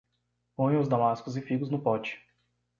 Ponha os damascos e figos no pote